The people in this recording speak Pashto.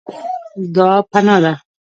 دعا پناه ده.